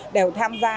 đều tham gia